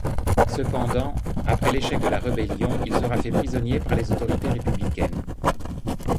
Cependant, après l’échec de la rébellion, il sera fait prisonnier par les autorités républicaines.